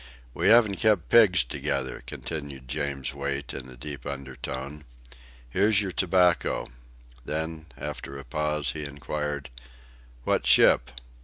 "We haven't kept pigs together," continued James Wait in a deep undertone. "Here's your tobacco." Then, after a pause, he inquired: "What ship?"